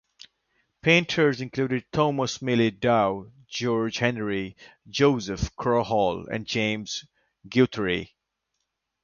Painters included Thomas Millie Dow, George Henry, Joseph Crawhall and James Guthrie.